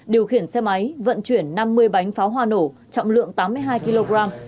điều khiển xe máy vận chuyển năm mươi bánh pháo hoa nổ trọng lượng tám mươi hai kg